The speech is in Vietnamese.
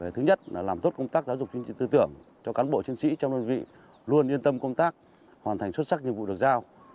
thứ nhất là làm tốt công tác giáo dục tư tưởng cho cán bộ chiến sĩ trong đơn vị luôn yên tâm công tác hoàn thành xuất sắc nhiệm vụ được giao